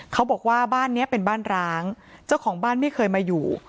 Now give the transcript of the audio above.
เขาบอกว่าบ้านนี้เป็นบ้านร้างเจ้าของบ้านไม่เคยมาอยู่